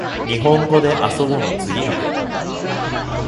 にほんごであそぼの次の日